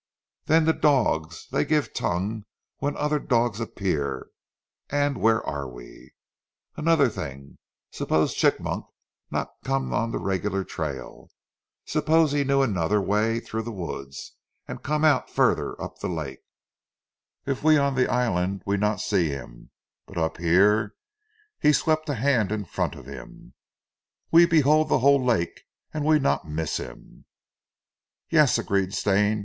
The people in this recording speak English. Den zee dogs, dey give tongue when oder dogs appear, an' where are we? Anoder ting, s'pose Chigmok not come zee regular trail; s'pose he knew anoder way through zee woods, an' come out further up zee lak'. Eef we on zee island we not see heem, but up here " he swept a hand in front of him "we behold zee whole lak' and we not miss him." "Yes," agreed Stane.